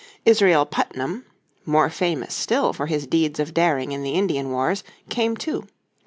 Israel Putnam, more famous still for his deeds of daring in the Indian wars, came too.